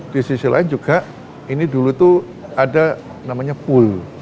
di sisi lain juga ini dulu tuh ada namanya pool